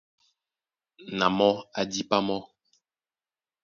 Na mɔ́ á dípá mɔ́.